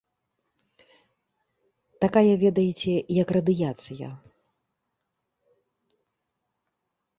Такая, ведаеце, як радыяцыя.